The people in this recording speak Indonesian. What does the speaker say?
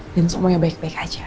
dan semuanya baik baik aja